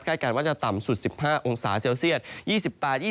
การว่าจะต่ำสุด๑๕องศาเซลเซียต